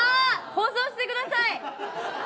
放送してください。